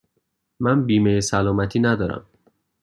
من بیمه سلامتی ندارم.